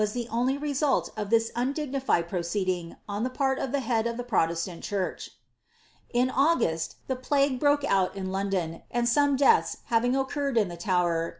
interrent' i the only result of (hia un<lignilied proceeding on the part of I of the ptoiestant church. In August, ihfi plague broke out in 1 and some deaths having occurred in the Tower.